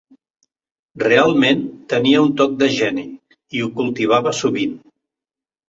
Realment, tenia un toc de geni, i ho cultivava sovint.